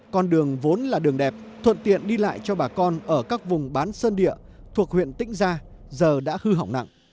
con đường vốn là đường đẹp thuận tiện đi lại cho bà con ở các vùng bán sơn địa thuộc huyện tĩnh gia giờ đã hư hỏng nặng